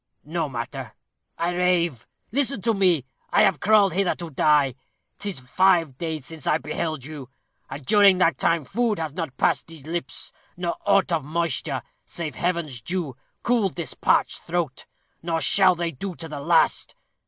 No matter I rave. Listen to me. I have crawled hither to die. 'Tis five days since I beheld you, and during that time food has not passed these lips, nor aught of moisture, save Heaven's dew, cooled this parched throat, nor shall they to the last.